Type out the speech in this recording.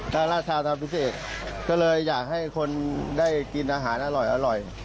ราชาทางทางทุกสิบเอกก็เลยอยากให้คนได้กินอาหารอร่อย